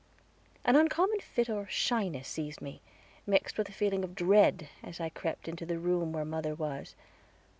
An uncommon fit or shyness seized me, mixed with a feeling of dread, as I crept into the room where mother was.